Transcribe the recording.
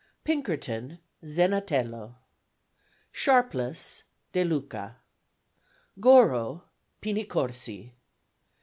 Pinkerton ZENATELLO. Sharpless DE LUCA. Goro PINI CORSI.